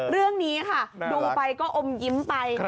เรื่องนี้ค่ะดูไปก็อมยิ้มไป